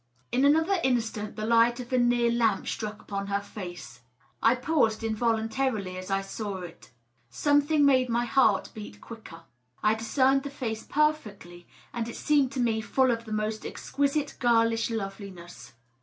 In another instant the light of a near lamp struck upon her face. I paused in voluntarily as I saw it. Something made my heart beat quicker. I discerned the face perfectly, and it seemed to me full of the most ex quisite girlish loveliness.